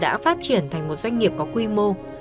đến giờ đã phát triển thành một doanh nghiệp có quy mô